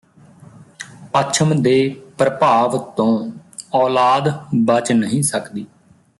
ਪੱਛਮ ਦੇ ਪ੍ਰਭਾਵ ਤੋਂ ਔਲਾਦ ਬਚ ਨਹੀਂ ਸਕਦੀ